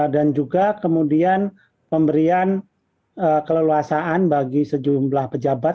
dan juga kemudian pemberian keleluasaan bagi sejumlah pejabat